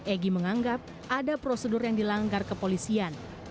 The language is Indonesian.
egy menganggap ada prosedur yang dilanggar kepolisian